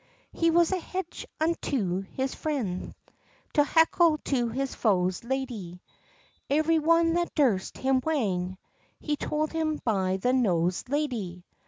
"He was a hedge unto his frien's, A heckle to his foes, ladie, Every one that durst him wrang, He took him by the nose, ladie.